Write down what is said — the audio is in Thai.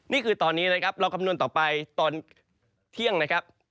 นี่คือตอนนี้นะครับเราคำนวณต่อไปตอนเที่ยงนะครับ